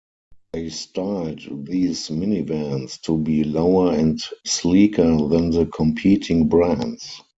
They styled these minivans to be lower and sleeker than the competing brands.